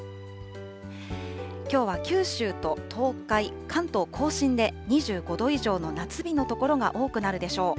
きょうは九州と東海、関東甲信で、２５度以上の夏日の所が多くなるでしょう。